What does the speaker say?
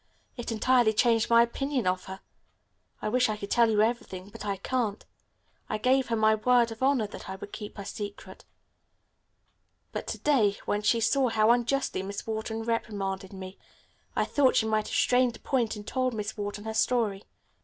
It entirely changed my opinion of her. I wish I could tell you everything, but I can't. I gave her my word of honor that I would keep her secret. But, to day, when she saw how unjustly Miss Wharton reprimanded me I thought she might have strained a point and told Miss Wharton her story.